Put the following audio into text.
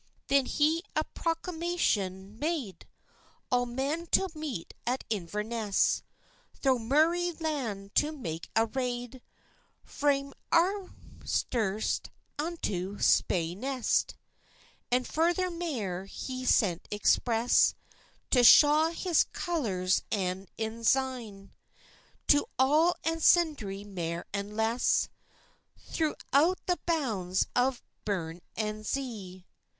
Then he a proclamation maid, All men to meet at Inverness, Throw Murray land to mak a raid, Frae Arthursyre unto Spey ness. And further mair, he sent express, To schaw his collours and ensenzie, To all and sindry, mair and less, Throchout the bounds of Byne and Enzie.